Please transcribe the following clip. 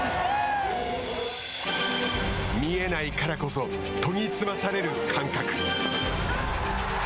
見えないからこそ研ぎ澄まされる感覚。